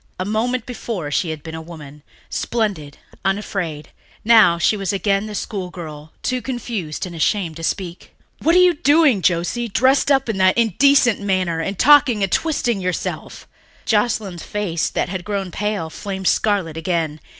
A moment before she had been a woman, splendid, unafraid; now she was again the schoolgirl, too confused and shamed to speak. "What are you doing, Josie?" asked her grandfather again, "dressed up in that indecent manner and talking and twisting to yourself?" Joscelyn's face, that had grown pale, flamed scarlet again.